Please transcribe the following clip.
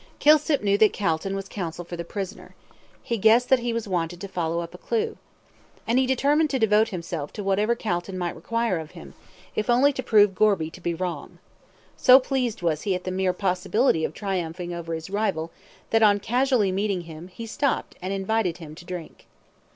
Kilsip knew that Calton was counsel for the prisoner. He guessed that he was wanted to follow up a clue. And he determined to devote himself to whatever Calton might require of him, if only to prove Gorby to be wrong. So pleased was he at the mere possibility of triumphing over his rival, that on casually meeting him, he stopped and invited him to drink.